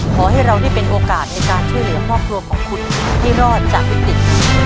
ขอให้เราได้เป็นโอกาสในการช่วยเหลือครอบครัวของคุณให้รอดจากวิกฤต